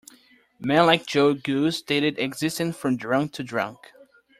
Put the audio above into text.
Men like Joe Goose dated existence from drunk to drunk.